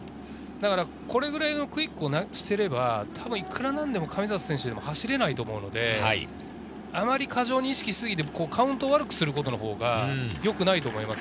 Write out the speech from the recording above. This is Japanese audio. これくらいのクイックをすればいくら何でも神里選手でも走れないと思うので、過剰に意識し過ぎてカウントを悪くするほうがよくないと思います。